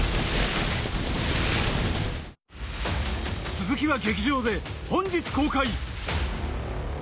⁉続きは劇場で本日公開！